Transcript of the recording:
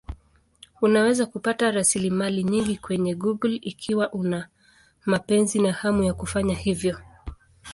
Unaweza kupata rasilimali nyingi kwenye Google ikiwa una mapenzi na hamu ya kufanya hivyo.